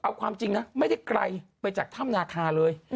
เอาความจริงนะไม่ได้ไกลไปจากถ้ำนาคาเลย